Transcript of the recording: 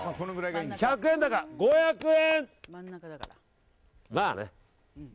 １００円だから５００円。